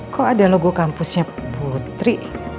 kok ada logo kampusnya putri